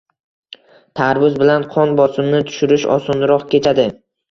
Tarvuz bilan qon bosimini tushirish osonroq kechadi.